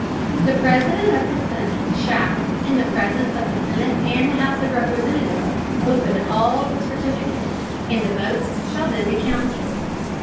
The President of the Senate shall, in the Presence of the Senate and House of Representatives, open all the Certificates, and the Votes shall then be counted.